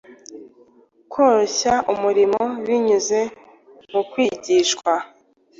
koroshya umurimo binyuze mu kwigishwa